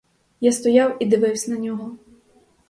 Я стояв і дививсь на нього.